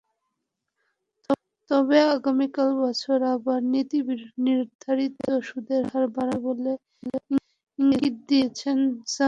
তবে আগামী বছর আবার নীতিনির্ধারণী সুদের হার বাড়ানো হবে বলে ইঙ্গিত দিয়েছেন জ্যানেট।